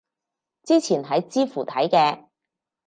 之前喺知乎睇嘅